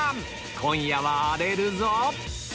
今夜は荒れるぞ！